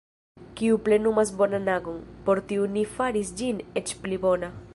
Kiu plenumas bonan agon, por tiu Ni faras ĝin eĉ pli bona.